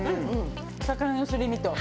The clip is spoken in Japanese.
魚のすり身と。